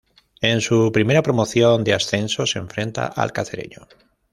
En su primera promoción de ascenso se enfrenta al Cacereño.